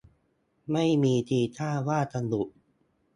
ไม่มีทีท่าว่าจะหยุด